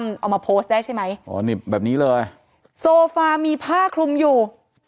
เอามาโพสต์ได้ใช่ไหมอ๋อนี่แบบนี้เลยโซฟามีผ้าคลุมอยู่